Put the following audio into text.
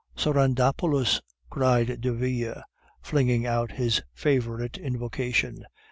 "Sardanapalus!" cried Derville, flinging out his favorite invocation.